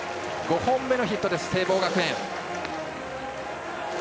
５本目のヒット、聖望学園。